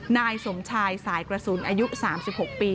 นายสมชายสายกระสุนอายุ๓๖ปี